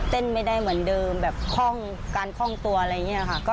เต้นไม่ได้เหมือนเดิมการคล่องตัวอะไรอย่างนี้ค่ะ